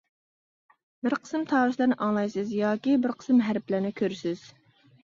بىر قىسىم تاۋۇشلارنى ئاڭلايسىز ياكى بىر قىسىم ھەرپلەرنى كۆرىسىز.